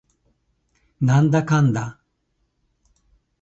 なんだかんだ